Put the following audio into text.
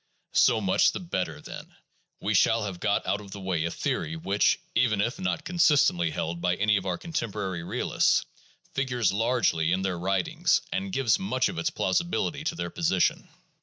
So much the better, then ; we shall have got out of the way a theory which, even if not consistently held by any of our contemporary realists, figures largely in their writings and gives much of its plausibility to their position.